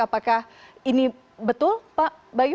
apakah ini betul pak bayu